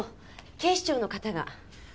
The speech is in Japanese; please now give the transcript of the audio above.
警視庁の方が。